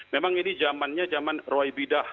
memang ini zamannya zaman roy bidah